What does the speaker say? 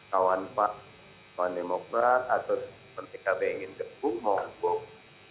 kawan pak kawan demokrat atau menteri kb ingin jepuk mau buka